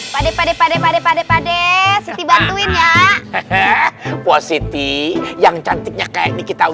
pade pade pade pade pade pade siti bantuin ya hehehe posisi yang cantiknya kayak di kita